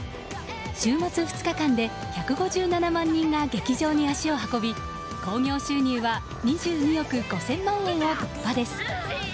週末２日間で、１５７万人が劇場に足を運び興行収入は２２億５０００万円を突破です。